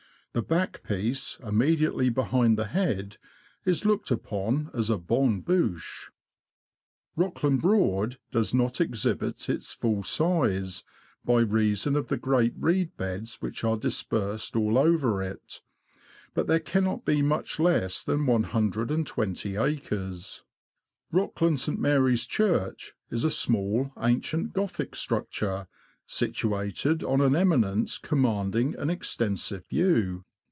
The back piece, immediately behind the head, is looked upon as a bonne bouche. Rockland Broad does Grig. not exhibit its full size, by reason of the great reed beds which are dispersed all over it; but there cannot be much less than 120 acres. Rockland St. Mary^s Church is a small, ancient Gothic structure, situated on an eminence commanding an extensive view.